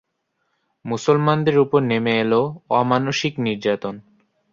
মুসলমানদের উপর নেমে এল অমানুষিক নির্যাতন।